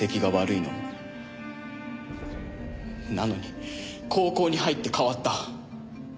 なのに高校に入って変わった。